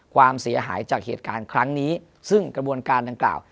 ความเสียหายจากเหตุการณ์อยู่ประกอบมูลการแหล่งกล่าว